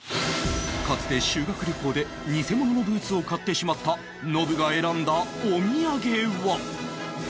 かつて修学旅行で偽物のブーツを買ってしまったノブが選んだお土産は？